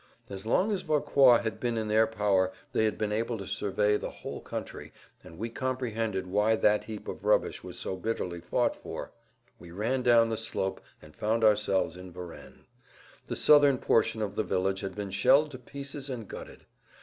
As long as Vauquois had been in their power they had been able to survey the whole country, and we comprehended why that heap of rubbish was so bitterly fought for. We[Pg 171] ran down the slope and found ourselves in Varennes. The southern portion of the village had been shelled to pieces and gutted.